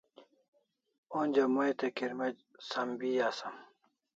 Onja mai te kirmec' sambi asam